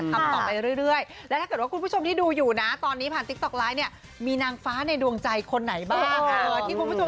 ก็อย่างที่บอกค่ะขอบคุณมากมาที่ที่ร่วมทำบุญ